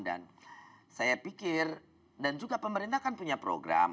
dan saya pikir dan juga pemerintah kan punya program